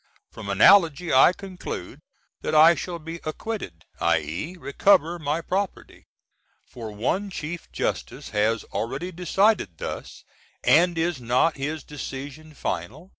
From analogy I conclude that I shall be acquitted, i.e., recover my property. For one Chief Justice has already decided thus; and is not his decision final?